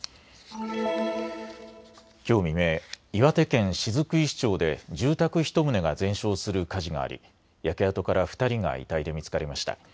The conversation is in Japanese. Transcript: きょう未明、岩手県雫石町で住宅１棟が全焼する火事があり焼け跡から２人が遺体で見つかりました。